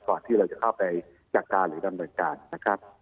ที่เราจะเข้าไปจัดการหรือดำเนินการนะครับ